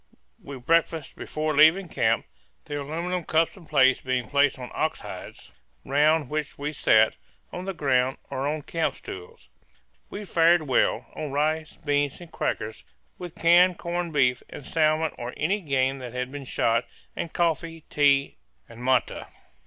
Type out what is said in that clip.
We breakfasted before leaving camp, the aluminum cups and plates being placed on ox hides, round which we sat, on the ground or on camp stools. We fared well, on rice, beans, and crackers, with canned corned beef, and salmon or any game that had been shot, and coffee, tea, and matte.